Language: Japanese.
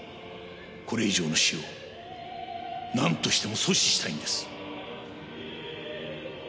これ以上の死をなんとしても阻止したいんです。